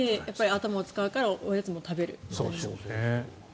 頭を使うからおやつも食べる。